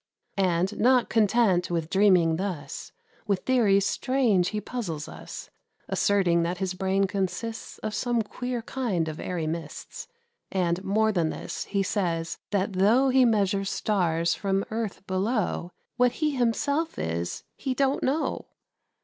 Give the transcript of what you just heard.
And, not content with dreaming thus, With theories strange he puzzles us; Asserting that his brain consists Of some queer kind of airy mists. And, more than this, he says, that though He measures stars from earth below, What he himself is he don't know!